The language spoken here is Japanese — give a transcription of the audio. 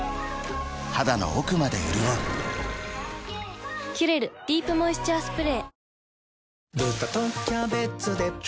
肌の奥まで潤う「キュレルディープモイスチャースプレー」